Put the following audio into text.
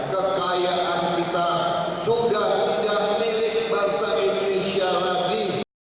kekayaan kita sudah tidak milik bangsa indonesia lagi